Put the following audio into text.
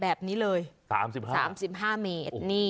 แบบนี้เลย๓๕๓๕เมตร